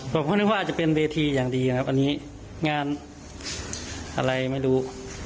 ผมก็นึกว่าอาจจะเป็นเวทีอย่างดีนะครับอันนี้งานอะไรไม่รู้